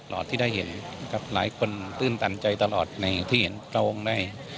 อดที่ได้เห็นกับหลายคนตื้นตันใจตลอดในที่เห็นพระองค์ได้